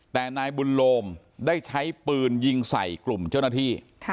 แต่นายบุญโลมได้ใช้ปืนยิงใส่กลุ่มเจ้าหน้าที่